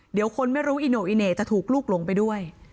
เดี๋ยวคนไม่รู้อีโน่อีเหน่จะถูกลูกหลงไปด้วย